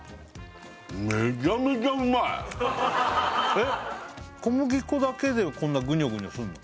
えっ小麦粉だけでこんなグニョグニョすんの？